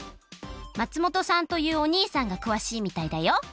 松本さんというおにいさんがくわしいみたいだよ。